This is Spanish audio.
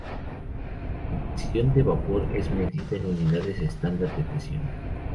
La presión de vapor es medida en unidades estándar de presión.